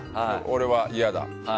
俺は嫌だ。